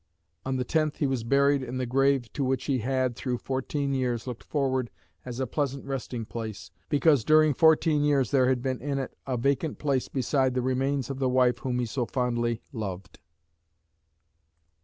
On the 10th he was buried in the grave to which he had, through fourteen years, looked forward as a pleasant resting place, because during fourteen years there had been in it a vacant place beside the remains of the wife whom he so fondly loved.